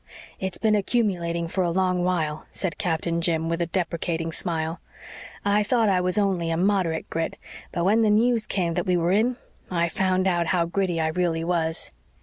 "It's been accumulating for a long while," said Captain Jim, with a deprecating smile. "I thought I was only a moderate Grit, but when the news came that we were in I found out how Gritty I really was."